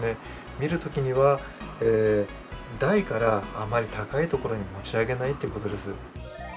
見る時には台からあまり高いところに持ち上げないという事です。